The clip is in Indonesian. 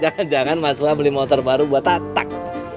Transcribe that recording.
jangan jangan masuklah beli motor baru buat tatang